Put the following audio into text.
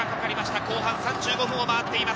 後半３５分を回っています。